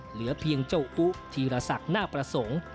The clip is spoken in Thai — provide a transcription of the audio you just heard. เหลือเพียงเจ้าอุธีรศักดิ์หน้าประสงค์